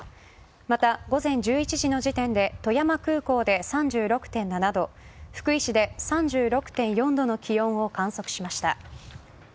また午前１１時の時点で富山空港で３６．７度福井市で３６．４度の気温を観測しました。